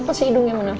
apa sih hidungnya mana